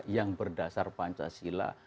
yang berdasar pancasila